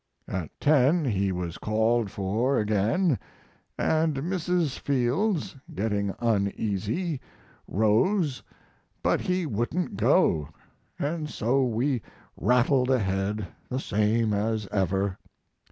At 10 he was called for again, & Mrs. Fields, getting uneasy, rose, but he wouldn't go & so we rattled ahead the same as ever.